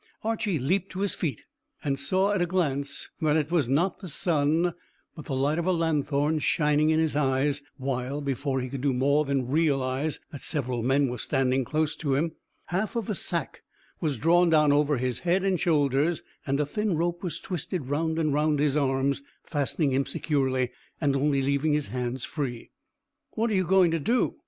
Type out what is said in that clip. Archy leaped to his feet, and saw at a glance that it was not the sun, but the light of a lanthorn shining in his eyes, while, before he could do more than realise that several men were standing close to him, half of a sack was drawn down over his head and shoulders, and a thin rope was twisted round and round his arms, fastening him securely, and only leaving his hands free. "What are you going to do?"